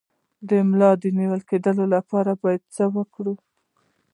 د ملا د نیول کیدو لپاره باید څه وکړم؟